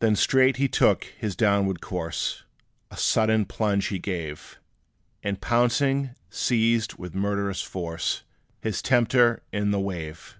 Then straight he took his downward course; A sudden plunge he gave; And pouncing, seized, with murderous force, His tempter in the wave.